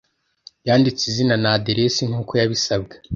Yanditse izina na aderesi nkuko yabisabwe.